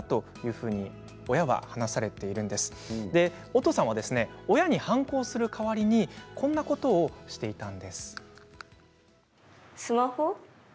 おとさんは親に反抗する代わりにこんなことをしていました。